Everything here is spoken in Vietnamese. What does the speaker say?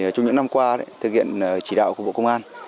trong những năm qua thực hiện chỉ đạo của bộ công an